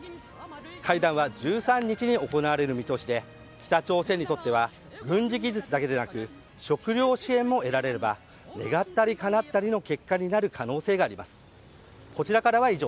会談は１３日に行われる見通しで北朝鮮にとっては軍事技術だけでなく食料支援も得られれば願ったりかなったりの結果になる可能性があります。